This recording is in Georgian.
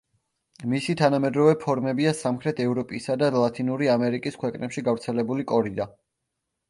მისი თანამედროვე ფორმებია სამხრეთ ევროპისა და ლათინური ამერიკის ქვეყნებში გავრცელებული კორიდა.